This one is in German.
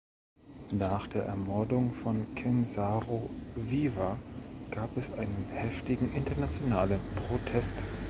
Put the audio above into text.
Nach der Ermordung von Ken Saro-Wiwa gab es einen heftigen internationalen Protest.